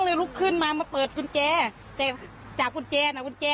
เลยลุกขึ้นมามาเปิดกุญแจแต่จากกุญแจน่ะ